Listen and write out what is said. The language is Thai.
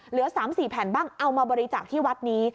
เหลือ๓๔แผ่นบ้างเอามาบริจาคที่วัดนี้